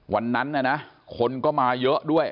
วันนั้นนะคนก็มาเยอะด้วย